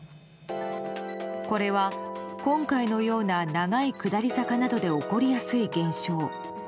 これは今回のような長い下り坂などで起こりやすい現象。